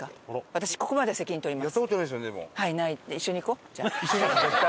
私ここまでは責任取ります。